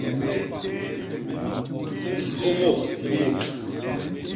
Nyômôk u mut.